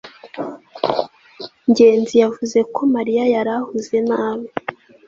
ngenzi yavuze ko mariya yari ahuze nabi